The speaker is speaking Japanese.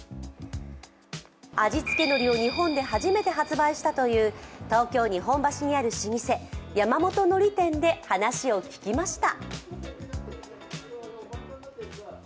味付けのりを日本で初めて発売したという東京・日本橋にある老舗・山本海苔店で話を聞きました。